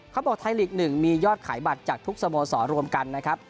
ไทยลีก๑มียอดขายบัตรจากทุกสโมสรรวมกันนะครับ